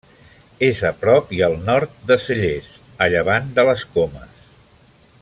És a prop i al nord de Cellers, a llevant de les Comes.